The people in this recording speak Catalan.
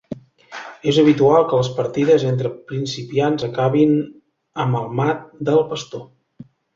És habitual que les partides entre principiants acabin amb el mat del pastor.